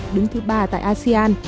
đứng thứ ba tại asean